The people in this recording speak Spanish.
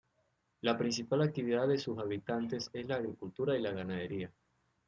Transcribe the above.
La principal actividad de sus habitantes es la agricultura y la ganadería.